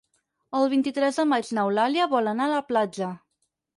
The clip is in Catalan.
El vint-i-tres de maig n'Eulàlia vol anar a la platja.